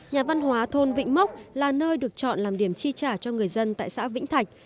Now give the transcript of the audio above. nhà văn hóa thôn vĩnh mốc là nơi được chọn làm điểm chi trả cho người dân tại xã vĩnh thạch